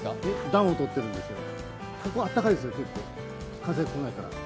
暖を取ってるんですよ、ここは暖かいですよ、風が来ないから。